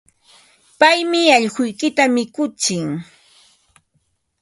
Paymi allquykita mikutsin.